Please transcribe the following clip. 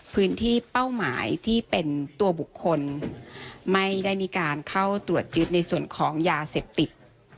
เป้าหมายที่เป็นตัวบุคคลไม่ได้มีการเข้าตรวจยึดในส่วนของยาเสพติด